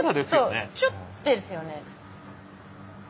ちょっですよね。